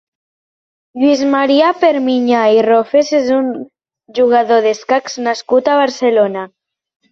Lluís Maria Perpinyà i Rofes és un jugador d'escacs nascut a Barcelona.